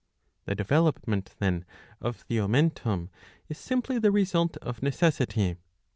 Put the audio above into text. The development, then, of the omentum is simply the result of necessity.